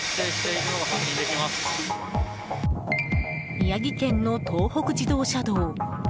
宮城県の東北自動車道。